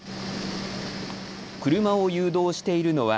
車を誘導しているのは。